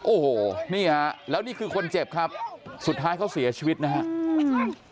โอ้โหนี่ฮะแล้วนี่คือคนเจ็บครับสุดท้ายเขาเสียชีวิตนะฮะอืม